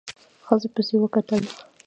ښځې پسې وکتل.